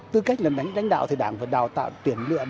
tư cách là người lãnh đạo thì đảng phải đào tạo tiền lựa